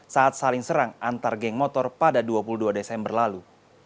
saat saling serang antar geng motor pada dua puluh dua desember lalu